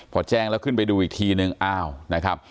พอแจ้งแล้วขึ้นไปดูอีกทีนึงอ้าวนะครับ